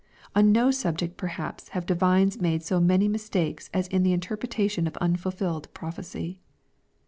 On no subject perhaps have divines made so many mistakes as in the interpretation of unfulfilled prophecy.